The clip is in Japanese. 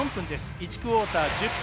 １クオーター１０分。